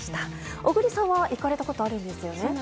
小栗さんは行かれたことあるんですよね。